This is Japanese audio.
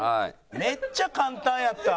めっちゃ簡単やった。